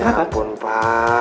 ya ampun pa